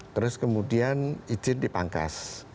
terus kemudian izin dipangkas